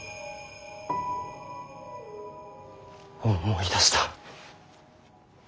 思い出した。